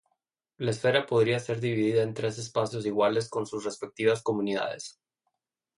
La esfera podría ser dividida en tres espacios iguales con sus respectivas comunidades.